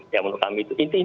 yang menurut kami itu